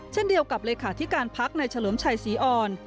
เช่นเดียวกับเลขาธิการพักในเฉลิมชัยศรีอ่อน